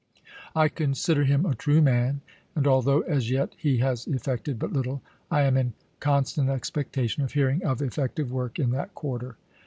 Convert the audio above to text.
I consider him a true man ; and although as yet he has effected but little, I am in constant expectation of hearing of effective work in that quarter."